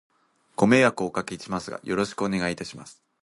ご迷惑をお掛けしますが、よろしくお願いいたします。